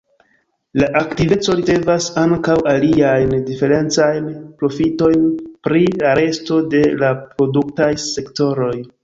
La aktiveco ricevas ankaŭ aliajn diferencajn profitojn pri la resto de la produktaj sektoroj.